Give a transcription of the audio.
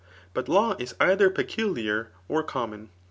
But law is either peculiar or corn anon.